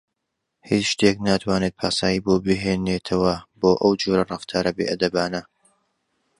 هیچ شتێک ناتوانێت پاساوی بۆ بهێنێتەوە بۆ ئەو جۆرە ڕەفتارە بێئەدەبانە.